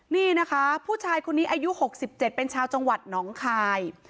นี่นะคะผู้ชายคนนี้อายุ๖๗เป็นชาวจังหวัดหนองคาย